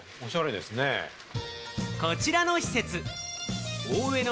こちらの施設、大江ノ